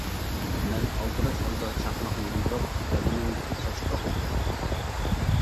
مەن ئالدىراش ھالدا چاقماقنى ياندۇرۇپ بەدىنىمدىكى چاچقا ئوت ياقتىم.